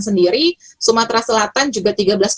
sendiri sumatera selatan juga